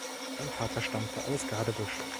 Sein Vater stammte aus Gadebusch.